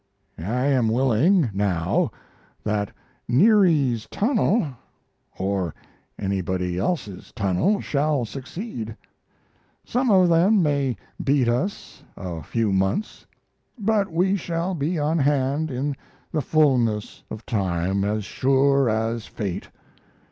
I am willing, now, that "Neary's tunnel" or anybody else's tunnel shall succeed. Some of them may beat us a few months, but we shall be on hand in the fullness of time, as sure as fate.